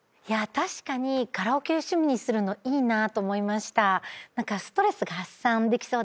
確かにカラオケを趣味にするのいいなと思いました。